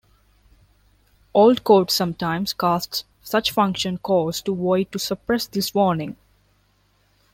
Old code sometimes casts such function calls to void to suppress this warning.